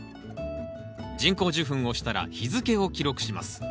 人工授粉をしたら日付を記録します。